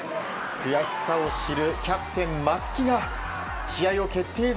悔しさを知るキャプテン松木が試合を決定